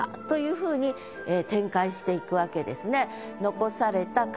ふうに展開していくわけですね。